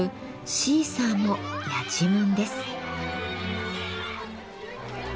シーサーもやちむんです。